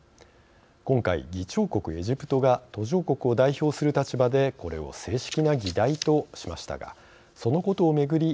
今回、議長国エジプトが途上国を代表する立場でこれを正式な議題としましたがそのことを巡り